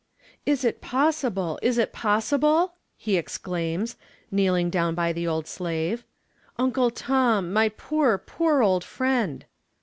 'Is it possible, is it possible?' he exclaims, kneeling down by the old slave. 'Uncle Tom, my poor, poor old friend!'